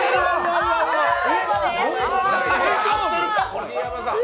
杉山さん！